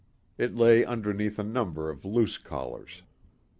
It lay underneath a number of loose collars.